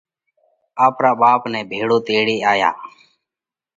آپرا ٻاپ نئہ ڀيۯو تيڙي آيا۔